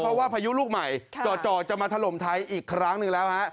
เพราะว่าพายุลูกใหม่จ่อจะมาถล่มไทยอีกครั้งหนึ่งแล้วฮะ